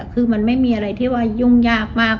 คือมันไม่มีอะไรที่ว่ายุ่งยากมาก